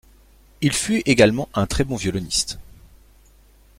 Il fut également un très bon violoniste.